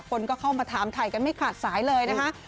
คนก็เข้ามาถามถ่ายกันไม่ขาดสายเลยนะคะ